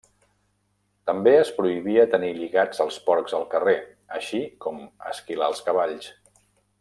També es prohibia tenir lligats els porcs al carrer, així com esquilar els cavalls.